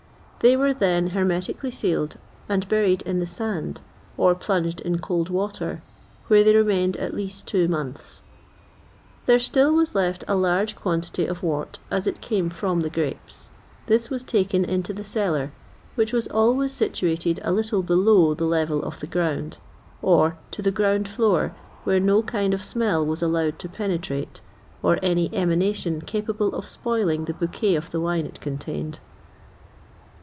They were then hermetically sealed, and buried in the sand, or plunged in cold water, where they remained at least two months.[XXVIII 66] There still was left a large quantity of wort as it came from the grapes. This was taken into the cellar,[XXVIII 67] which was always situated a little below the level of the ground; or to the ground floor, where no kind of smell was allowed to penetrate, or any emanation capable of spoiling the bouquet of the wine it contained.